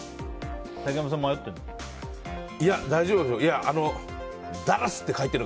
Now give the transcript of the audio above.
竹山さん、迷ってるの？